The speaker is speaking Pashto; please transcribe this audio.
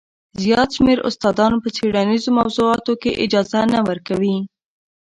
زیات شمېر استادان په څېړنیزو موضوعاتو کې اجازه نه ورکوي.